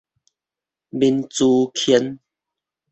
閔子騫